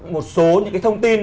một số thông tin